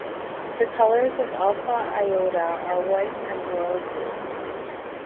The Colors of Alpha Iota are white and Royal blue.